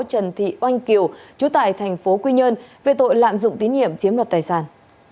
trần thị oanh kiều chú tài tp hcm về tội lạm dụng tín hiểm chiếm đoạt tài sản